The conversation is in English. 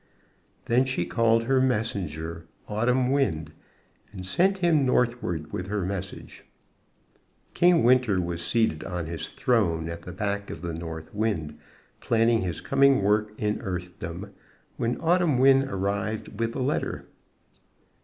Then she called her messenger, Autumn Wind, and sent him northward with her message. King Winter was seated on his throne at the back of the North Wind, planning his coming work in Earthdom, when Autumn Wind arrived with the letter.